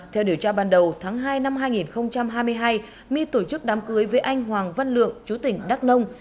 theo điều tra ban đầu tháng hai năm hai nghìn hai mươi hai my tổ chức đám cưới với anh hoàng văn lượng chú tỉnh đắk nông